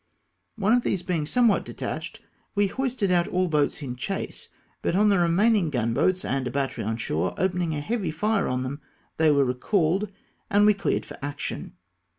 One of these being somewhat detached, we hoisted out all boats in chase, but on the remaining gun boats and a battery on shore opening a heavy fire on them, they were recalled, and we cleared for action.